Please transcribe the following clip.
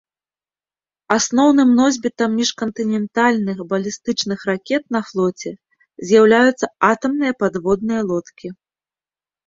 Асноўным носьбітам міжкантынентальных балістычных ракет на флоце з'яўляюцца атамныя падводныя лодкі.